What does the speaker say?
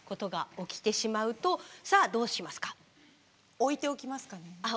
置いておきます。